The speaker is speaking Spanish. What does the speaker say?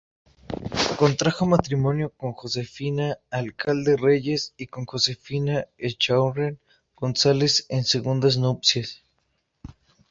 Contrajo matrimonio con Josefina Alcalde Reyes y con Josefina Echaurren González en segundas nupcias.